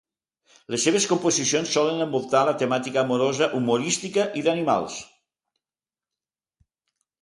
Les seves composicions solen envoltar la temàtica amorosa, humorística i d'animals.